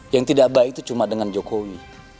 yang tidak baik itu cuma dengan jokowi